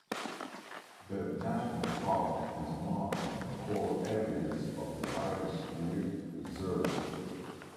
The national park is one of the core areas of the biosphere reserve.